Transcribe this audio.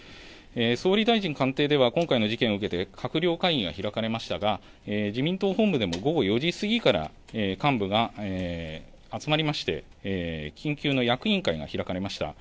総理大臣官邸では今回の事件を受けて、閣僚会議が開かれましたが、自民党本部でも午後４時過ぎから、幹部が集まりまして、緊急の役員会が開かれました。